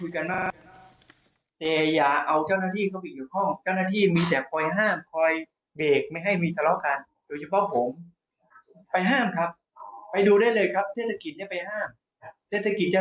ก็ต้องมีเรื่องส่วนตัวน่ะเพราะไม่เรียกส่วนตัวกับทางเรา